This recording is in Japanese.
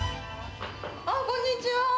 あっ、こんにちは。